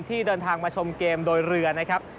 ที่เดินทางมาชมเกมโดยเรือนะครับ